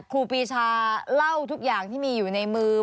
ครูปีชาเล่าทุกอย่างที่มีอยู่ในมือ